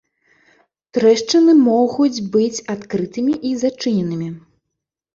Трэшчыны могуць быць адкрытымі і зачыненымі.